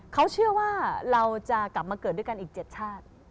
เขาเชื่อว่าเราจะกลับมาเกิดด้วยกันอีก๗ชาติ